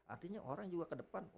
artinya orang juga ke depan